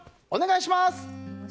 お願いします！